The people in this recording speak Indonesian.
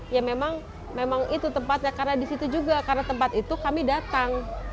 ya memang itu tempatnya karena di situ juga karena tempat itu kami datang